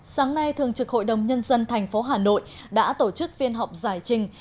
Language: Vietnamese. sáng nay thường trực hội đồng nhân dân tp hà nội đã tổ chức phiên họp giải trình